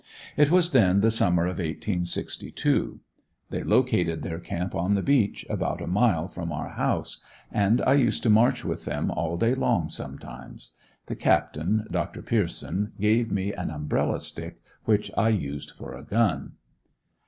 It was then the summer of 1862. They located their camp on the beach, about a mile from our house, and I used to march with them all day long sometimes. The captain, Dr. Pierceson, gave me an umbrella stick which I used for a gun.